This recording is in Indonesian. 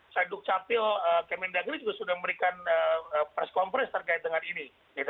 saya dukcapil kementerian negeri juga sudah memberikan press conference terkait dengan ini